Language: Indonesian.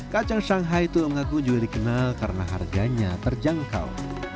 kacang shanghai tulung agung juga dikenal karena harganya terjangkau